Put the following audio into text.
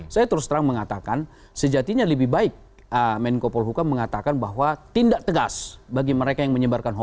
saya terus terang mengatakan sejatinya lebih baik menko polhukam mengatakan bahwa tindak tegas bagi mereka yang menyebarkan hoax